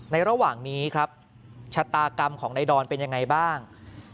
ระหว่างนี้ครับชะตากรรมของนายดอนเป็นยังไงบ้าง